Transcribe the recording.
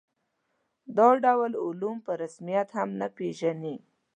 دا ډول علوم په رسمیت هم نه پېژني.